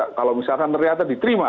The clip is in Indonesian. kalau misalkan ternyata diterima